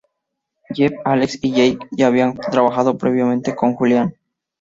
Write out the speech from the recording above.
Jeff, Alex y Jake ya habían trabajado previamente con Julian.